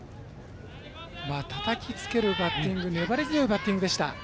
たたきつけるバッティング粘り強いバッティングでした。